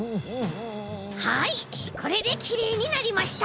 はいこれできれいになりました。